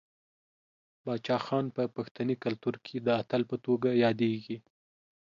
باچا خان په پښتني کلتور کې د اتل په توګه یادیږي.